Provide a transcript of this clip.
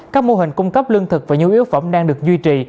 các mô hình cung cấp lương thực và nhu yếu phẩm đang được duy trì